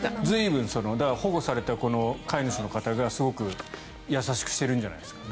保護されて、飼い主の方がすごく優しくしているんじゃないですか。